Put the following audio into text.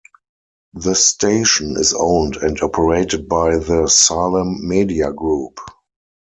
The station is owned and operated by the Salem Media Group.